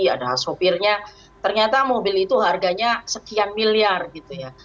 ada sopirnya ternyata mobil itu harganya sekian miliar gitu ya